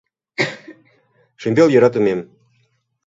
Шӱмбел йӧратымем